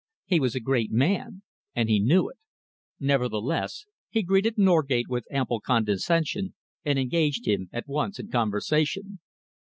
He was a great man and he knew it. Nevertheless, he greeted Norgate with ample condescension and engaged him at once in conversation.